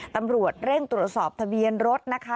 ตำรวจเร่งตรวจสอบทะเบียนรถนะคะ